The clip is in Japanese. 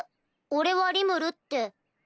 俺はリムルって。